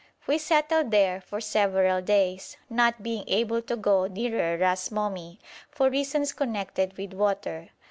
We settled there for several days, not being able to go nearer Ras Momi for reasons connected with water.